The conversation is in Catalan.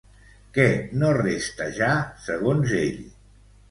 Què no resta ja segons ell?